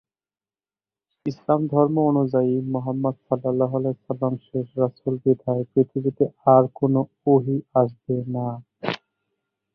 ইসলাম ধর্ম অনুযায়ী মুহাম্মাদ শেষ রাসুল বিধায় পৃথিবীতে আর কোনো ওহী আসবে না।""